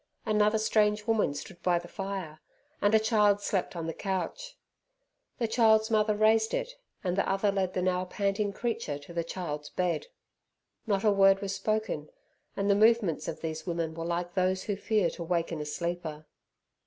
Another strange woman stood by the fire, and a child slept on the couch. The child's mother raised it, and the other led the now panting creature to the child's bed. Not a word was spoken, and the movements of these women were like those who fear to awaken a sleeper.